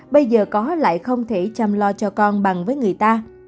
bây giờ có lại không thể chăm lo cho con bằng với người ta